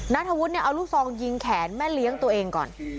นัทธวุฒิเนี่ยเอาลูกซองยิงแขนแม่เลี้ยงตัวเองก่อน